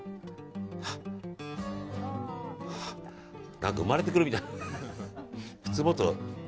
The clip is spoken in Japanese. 何か生まれてくるみたいな。